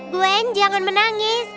gwen jangan menangis